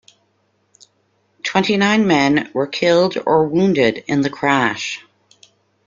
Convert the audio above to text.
Twenty-nine men were killed or wounded in the crash.